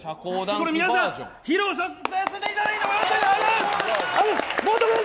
これ皆さん、披露させていただきたいと思います。